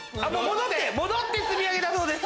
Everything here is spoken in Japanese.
戻って積み上げだそうです。